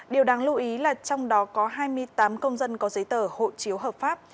điều đáng lưu ý là trong đó có hai mươi tám công dân có giấy tờ hộ chiếu hợp pháp